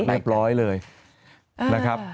ได้บร้อยเลยนะครับ